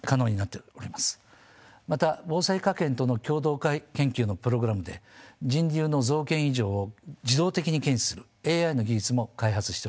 また防災科研との共同研究のプログラムで人流の増減異常を自動的に検知するＡＩの技術も開発しております。